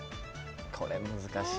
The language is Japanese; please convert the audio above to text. これ難しい。